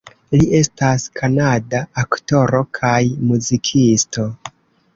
Li estas kanada aktoro kaj muzikisto.